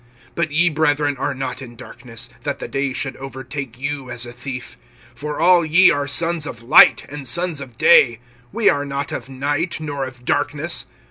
(4)But ye, brethren, are not in darkness, that the day should overtake you as a thief. (5)For all ye are sons of light, and sons of day; we are not of night, nor of darkness.